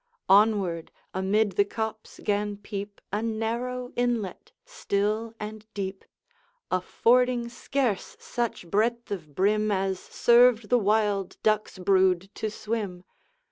Onward, amid the copse 'gan peep A narrow inlet, still and deep, Affording scarce such breadth of brim As served the wild duck's brood to swim.